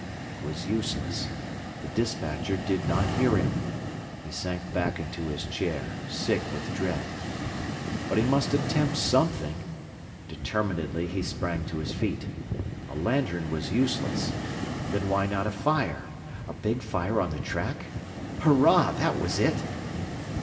It was useless. The despatcher did not hear him. He sank back in his chair, sick with dread. But he must attempt something! Determinedly he sprang to his feet. A lantern was useless. Then why not a fire? A big fire on the track? Hurrah! That was it!